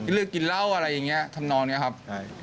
เลือกกินเหล้าอะไรอย่างนี้ทำนองนี้ครับ